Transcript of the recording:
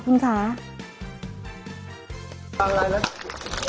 ครูกัดสบัติคร้าว